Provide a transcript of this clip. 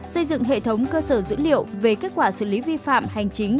xây dựng hệ thống cơ sở dữ liệu về kết quả xử lý vi phạm hành chính